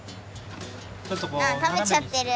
あ食べちゃってる！